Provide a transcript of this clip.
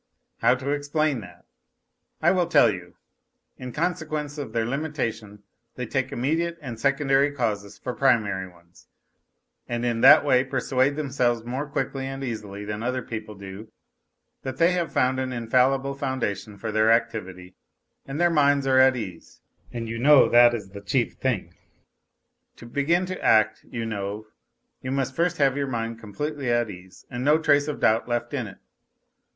How explain that ? I will tell you : in consequence of their limitation they take immediate and secondary causes for primary ones, and in that way persuade themselves more quickly and easily than other people do that they have found an infallible foundation for their activity, and their minds are at ease and you know that is the chief thing. To begin to act, you know, you must first have your mind completely at ease and no trace of doubt left in it.